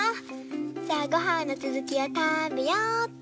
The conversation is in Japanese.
じゃあごはんのつづきをたべよっと。